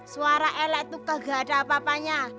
suara ela itu kegak ada apa apanya